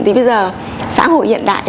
thì bây giờ xã hội hiện đại